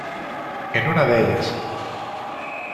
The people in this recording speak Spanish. En una de ellas.